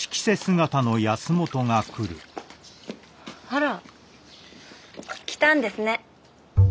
あら着たんですね。